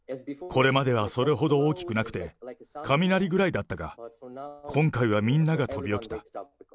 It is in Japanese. これまではそれほど大きくなくて、雷ぐらいだったが、今回はみんなが飛び起きた。